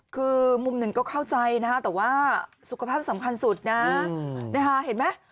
คือมุมหนึ่งก็เข้าใจนะฮะแต่ว่าสุขภาพสำคัญสุดนะเห็นไหม